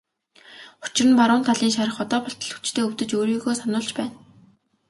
Учир нь баруун талын шарх одоо болтол хүчтэй өвдөж өөрийгөө сануулж байна.